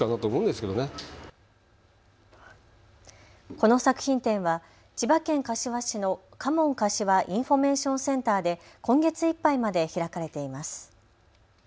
この作品展は千葉県柏市のｋａｍｏｎかしわインフォメーションセンターで今月いっぱいまで開かれています。